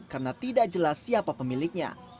karena tidak jelas siapa pemiliknya